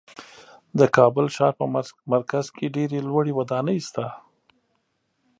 د کابل ښار په مرکز کې ډېرې لوړې ودانۍ شته.